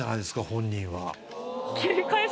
本人は。